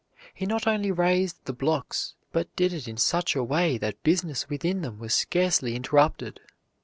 He not only raised the blocks, but did it in such a way that business within them was scarcely interrupted.